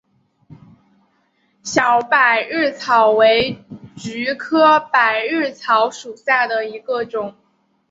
小百日草为菊科百日草属下的一个种。